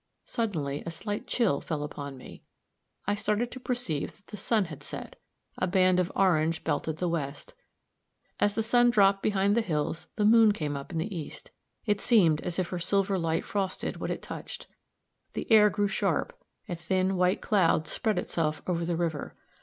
Suddenly a slight chill fell upon me. I started to perceive that the sun had set. A band of orange belted the west. As the sun dropped behind the hills the moon came up in the east. It seemed as if her silver light frosted what it touched; the air grew sharp; a thin, white cloud spread itself over the river.